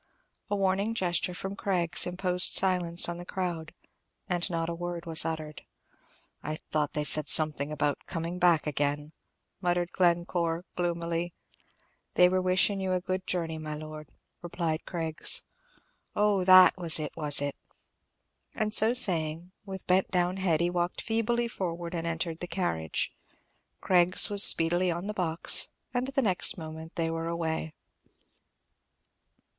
A warning gesture from Craggs imposed silence on the crowd, and not a word was uttered. "I thought they said something about coming back again," muttered Glencore, gloomily. "They were wishing you a good journey, my Lord," replied Craggs. "Oh, that was it, was it?" And so saying, with bent down head he walked feebly forward and entered the carriage. Craggs was speedily on the box, and the next moment they were away.